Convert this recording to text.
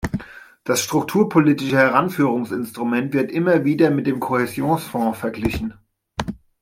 Das strukturpolitische Heranführungsinstrument wird immer wieder mit dem Kohäsionsfonds verglichen.